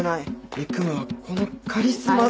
憎むはこのカリスマ性。